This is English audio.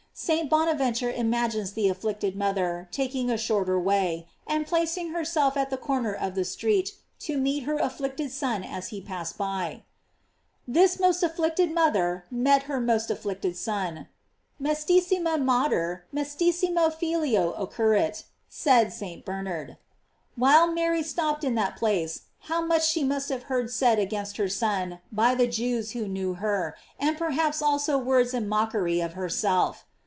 "| St. Bonaventure imagines the afflicted mother taking a shorter way, and placing herself at the corner of the street to meet her afflicted Son as he passed by.§ This most afflicted mother met her most afflicted Son: Mcestissima mater mcestissimo filio occurrit, said St. Bernard. While Mary stopped in that place how much she must have heard said against her Son by the Jews who knew her, and perhaps also words in mockery of herself!